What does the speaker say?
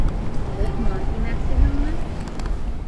Лоҡман тимәксеһеңме?